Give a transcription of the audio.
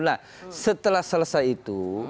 nah setelah selesai itu